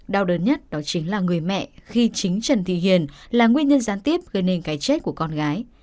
đau đớn nhất đó chính là người mẹ khi chính trần thị hiền là nguyên nhân gián tiếp gây nên cái chết của con gái